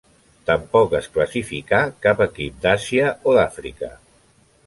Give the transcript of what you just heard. Tampoc es classificà cap equip d'Àsia o d'Àfrica.